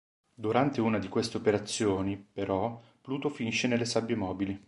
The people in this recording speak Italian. Durante una di queste operazioni, però, Pluto finisce nelle sabbie mobili.